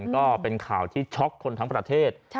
ก็เป็นข่าวที่ช็อกคนทั้งประเทศ